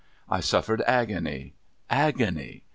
I suffered agony — agony.